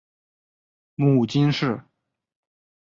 母金氏。